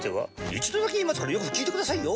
一度だけ言いますからよく聞いてくださいよ。